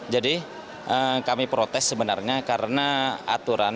jadi kami protes sebenarnya karena aturan yang dibacakan